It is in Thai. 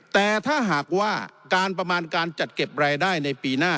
แต่ถ้าหากว่าการประมาณการจัดเก็บรายได้ในปีหน้า